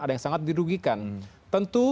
ada yang sangat dirugikan tentu